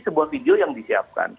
sebuah video yang disiapkan